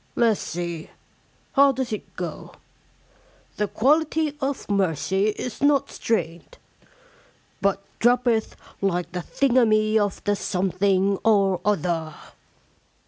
Let's see, how does it go ? The quality of mercy is not strained, but droppeth like the thingamy of the something or other."